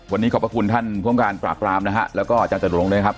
วันนี้ขอบพระคุณท่านภูมิการปราบรามนะฮะแล้วก็อาจารย์จตุรงค์ด้วยครับ